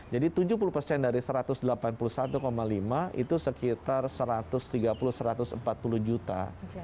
jadi tujuh puluh dari satu ratus delapan puluh satu lima itu sekitar satu ratus tiga puluh satu ratus empat puluh juta